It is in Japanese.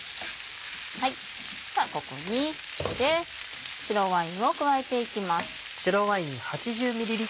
ではここに白ワインを加えていきます。